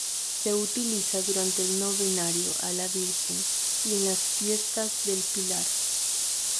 Se utiliza durante el novenario a la Virgen y en las Fiestas del Pilar.